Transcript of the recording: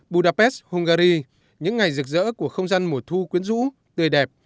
budapest hungary những ngày rực rỡ của không gian mùa thu quyến rũ tươi đẹp